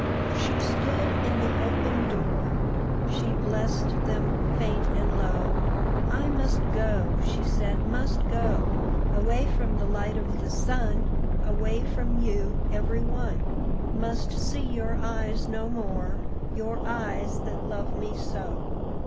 She stood in the open door, She blessed them faint and low: "I must go," she said, "must go Away from the light of the sun, Away from you, every one; Must see your eyes no more, Your eyes, that love me so.